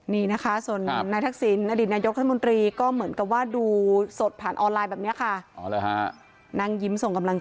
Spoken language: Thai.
มีอันไหนตื่นเต้นกว่ากัน